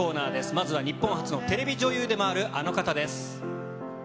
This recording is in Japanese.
まずは日本初のテレビ女優でもある、あの方です。